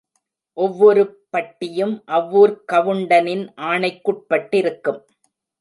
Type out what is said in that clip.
ஒவ்வொரு பட்டியும், அவ்வூர்க் கவுண்டனின் ஆணைக்குட்பட்டிருக்கும்.